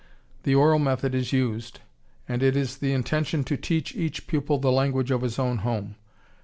The oral method is used, and it is the intention to teach each pupil the language of his own home.